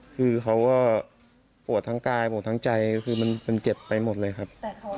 คือเขาก็ปวดทั้งกายปวดทั้งใจคือมันเจ็บไปหมดเลยครับ